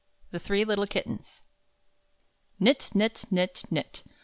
THE THREE LITTLE KITTENS. Knit, knit, knit, knit!